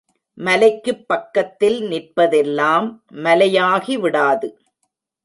மலைக்குப் பக்கத்தில் நிற்பதெல்லாம் மலையாகிவிடாது.